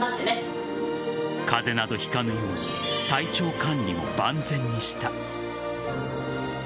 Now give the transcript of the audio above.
風邪などひかぬよう体調管理も万全にした。